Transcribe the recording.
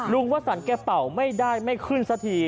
วสันแกเป่าไม่ได้ไม่ขึ้นสักที